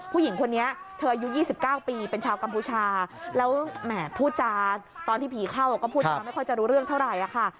ผู้หญิงคนนี้เธออายุ๒๙ปีเป็นชาวกัมพูชาแล้วแหมพูดจาตอนที่ผีเข้าก็พูดจาไม่ค่อยจะรู้เรื่องเท่าไหร่ค่ะ